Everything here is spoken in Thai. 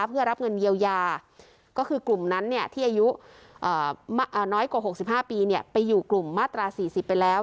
เพื่อรับเงินเยียวยาก็คือกลุ่มนั้นเนี่ยที่อายุอ่าอ่าน้อยกว่าหกสิบห้าปีเนี่ยไปอยู่กลุ่มมาตราสี่สิบไปแล้ว